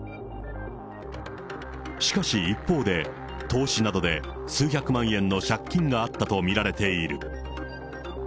しかし一方で、投資などで数百万円の借金があったと見られている。